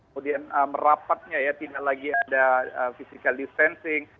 kemudian merapatnya ya tidak lagi ada physical distancing